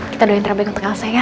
kita doain terbaik untuk elsa ya